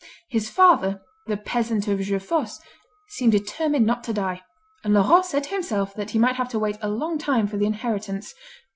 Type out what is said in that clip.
His father, the peasant of Jeufosse, seemed determined not to die, and Laurent said to himself that he might have to wait a long time for the inheritance.